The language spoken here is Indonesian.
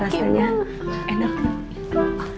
ya udah biar sama denganmu